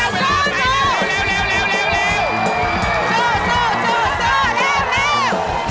ไปหน่อย